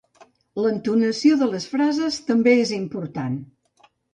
L'entonació de les frases també és important